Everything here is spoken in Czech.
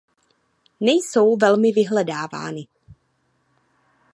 Nejsou velmi vyhledávány.